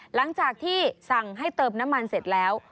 หลังจากที่สั่งให้เติมน้ำมันเสร็จแล้ว